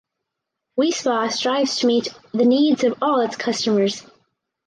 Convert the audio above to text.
Wi Spa strives to meet the needs of all its customers.